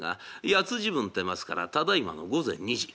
八つ時分ってますからただいまの午前２時。